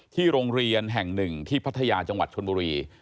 โรงเรียนแห่งหนึ่งที่พัทยาจังหวัดชนบุรี